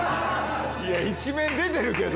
いや一面出てるけど。